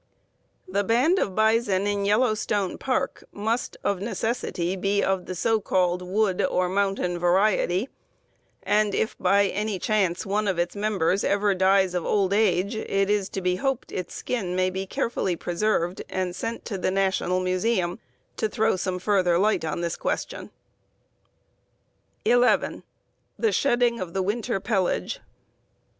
The band of bison in the Yellowstone Park must, of necessity, be of the so called "wood" or "mountain" variety, and if by any chance one of its members ever dies of old age, it is to be hoped its skin may be carefully preserved and sent to the National Museum to throw some further light on this question. 11. _The shedding of the winter pelage.